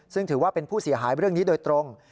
ซึ่งถือว่าเป็นผู้เสียหายเรื่องนี้โดยตรง